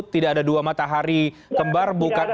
tidak ada dua matahari kembar